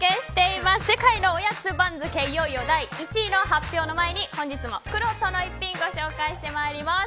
いよいよ第１位の発表の前に本日もくろうとの逸品ご紹介してまいります。